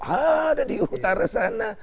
ada di utara sana